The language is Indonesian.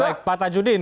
baik pak tajudin